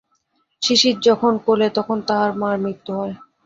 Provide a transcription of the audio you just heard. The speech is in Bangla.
শিশির যখন কোলে তখন তাহার মার মৃত্যু হয়।